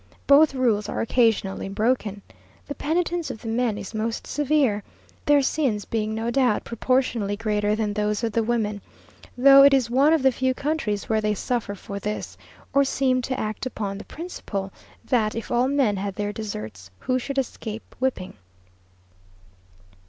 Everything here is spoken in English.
Both rules are occasionally broken. The penitence of the men is most severe, their sins being no doubt proportionably greater than those of the women; though it is one of the few countries where they suffer for this, or seem to act upon the principle, that "if all men had their deserts, who should escape whipping?"